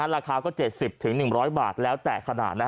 ราคาก็๗๐๑๐๐บาทแล้วแต่ขนาด